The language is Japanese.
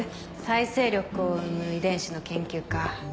再生力を生む遺伝子の研究か。